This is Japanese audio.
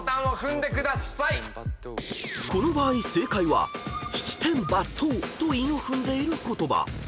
［この場合正解は「七転八倒」と韻を踏んでいる言葉］